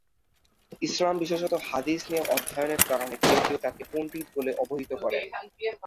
ইসলাম বিশেষত হাদিস নিয়ে অধ্যয়নের কারণে কেউ কেউ তাকে পণ্ডিত বলে অবিহিত করেন।